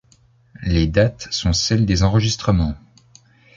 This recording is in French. Les dates sont celles des enregistrements.